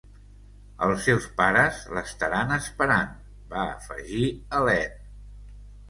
"Els seus pares l"estaran esperant", va afegir Helene.